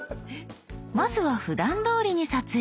まずはふだんどおりに撮影。